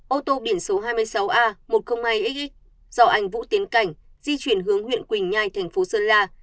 ô tô biển số hai mươi sáu a một trăm linh hai xx dò ảnh vũ tiến cảnh di chuyển hướng huyện quỳnh nhai thành phố sơn la